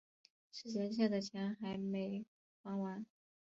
之前欠的钱还没还完